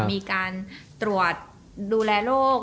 มีการตรวจดูแลโรค